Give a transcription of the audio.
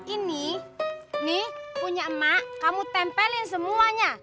ini nih punya emak kamu tempelin semuanya